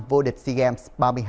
vô địch sea games ba mươi hai